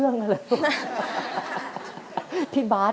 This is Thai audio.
ขอบคุณครับ